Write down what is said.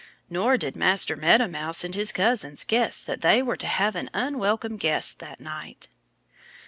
Nor did Master Meadow Mouse and his cousins guess that they were to have an unwelcome guest that night.